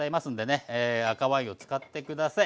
赤ワインを使って下さい。